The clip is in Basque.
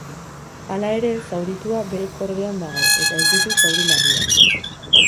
Hala ere, zauritua bere kordean dago eta ez ditu zauri larriak.